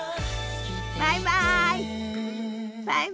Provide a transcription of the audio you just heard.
バイバイ！